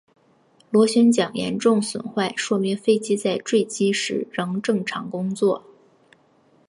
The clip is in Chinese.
螺旋桨严重损坏说明飞机在坠机时仍正常工作。